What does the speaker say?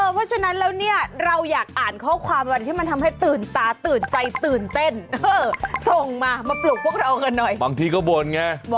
เพราะฉะนั้นเราอยากอ่านข้อความที่มันทำให้ตื่นตาตื่นใจตื่นเต้น